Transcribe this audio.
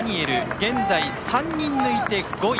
現在、３人抜いて５位。